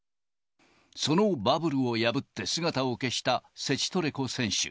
そのバブルを破って姿を消したセチトレコ選手。